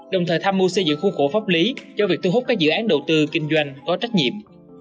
đồng thời tham mưu xây dựng khu khổ pháp lý cho việc thu hút các dự án đầu tư kinh doanh có trách nhiệm